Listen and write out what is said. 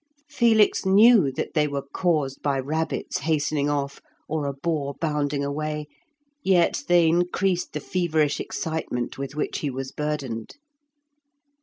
Felix knew that they were caused by rabbits hastening off, or a boar bounding away, yet they increased the feverish excitement with which he was burdened.